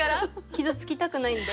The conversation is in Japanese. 傷つきたくないんで。